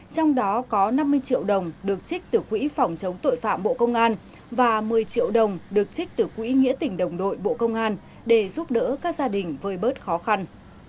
trong đó có năm mươi triệu đồng được trích từ quỹ phòng chống tội phạm bộ công an và một mươi triệu đồng được trích từ quỹ nghĩa tỉnh đồng đội bộ công an để giúp đỡ các gia đình vơi bớt khó khăn